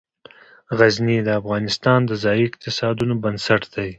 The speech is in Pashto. غزني د افغانستان د ځایي اقتصادونو بنسټ دی.